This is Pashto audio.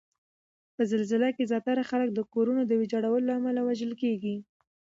په زلزله کې زیاتره خلک د کورونو د ویجاړولو له امله وژل کیږي